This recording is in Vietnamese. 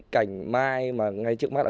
cảnh mai mà ngay trước mắt là